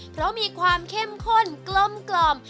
เพราะมีความเข้มข้นกลม